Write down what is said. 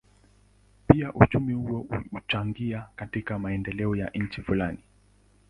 Pia uchumi huo huchangia katika maendeleo ya nchi fulani.